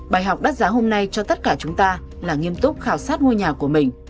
bài học đắt giá hôm nay cho tất cả chúng ta là nghiêm túc khảo sát ngôi nhà của mình